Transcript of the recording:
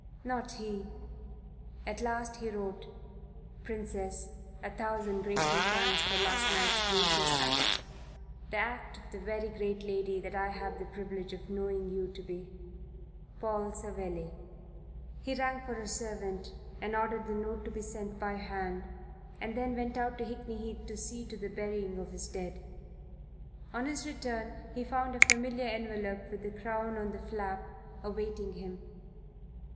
Not he.... At last he wrote: PRINCESS, A thousand grateful thanks for last night's gracious act the act of the very great lady that I have the privilege of knowing you to be. PAUL SAVELLI. He rang for a servant and ordered the note to be sent by hand, and then went out to Hickney Heath to see to the burying of his dead. On his return he found a familiar envelope with the crown on the flap awaiting him.